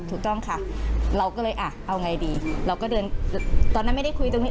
ถูกต้องค่ะเราก็เลยอ่ะเอาไงดีเราก็เดินตอนนั้นไม่ได้คุยตรงนี้